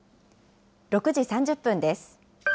６時３０分です。